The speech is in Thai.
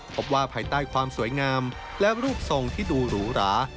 ภายใต้ความสวยงามและรูปทรงที่ดูหรูหรา